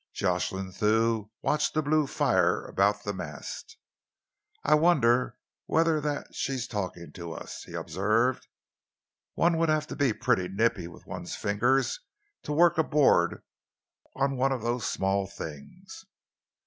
Jocelyn Thew watched the blue fire about the mast. "I wonder whether that's she talking to us," he observed. "One would have to be pretty nippy with one's fingers to work aboard on one of those small things."